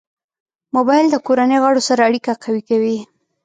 موبایل د کورنۍ غړو سره اړیکه قوي کوي.